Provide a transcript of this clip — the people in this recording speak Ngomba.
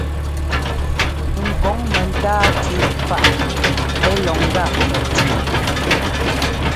Ŋ kɔŋ mɛntáa tʉ́ paʼ ɛ́ lɔ ŋ́gá mɛtʉʉ.